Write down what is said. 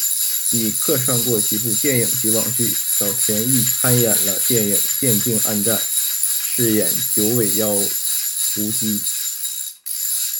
已客串过几部电影及网剧，早前亦参演了电影《电竞暗战》，饰演九尾妖狐姬。